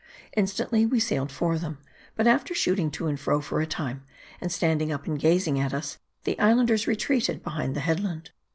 Instantly we sailed for them ; but after shooting to and fro for a time, and standing up and gazing at us, the Islanders retreated behind the headland.